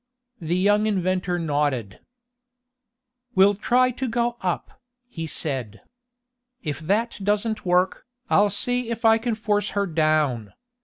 The young inventor nodded. "We'll try to go up," he said. "If that doesn't work, I'll see if I can force her down.